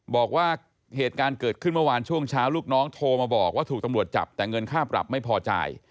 บอกว่าเหตุการณ์เกิดขึ้นเมื่อวานช่วงเช้าลูกน้องโทรมาบอกว่าถูกตำรวจจับแต่เงินค่าปรับไม่พอจ่าย